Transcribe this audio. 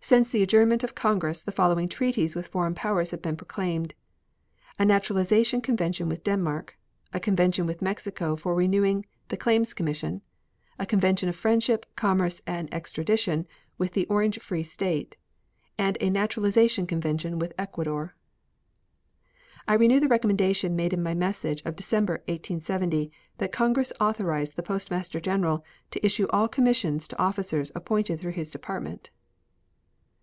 Since the adjournment of Congress the following treaties with foreign powers have been proclaimed: A naturalization convention with Denmark; a convention with Mexico for renewing the Claims Commission; a convention of friendship, commerce, and extradition with the Orange Free State, and a naturalization convention with Ecuador. I renew the recommendation made in my message of December, 1870, that Congress authorize the Postmaster General to issue all commissions to officials appointed through his Department.